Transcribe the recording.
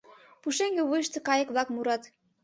Пушеҥге вуйышто кайык-влак мурат.